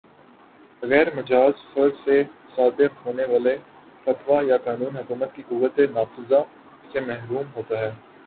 غیر مجاز فرد سے صادر ہونے والا فتویٰ یا قانون حکومت کی قوتِ نافذہ سے محروم ہوتا ہے